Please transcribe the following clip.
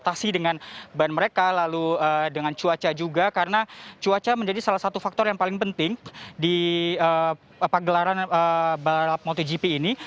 ada ban mereka lalu dengan cuaca juga karena cuaca menjadi salah satu faktor yang paling penting di pagelaran balap motogp ini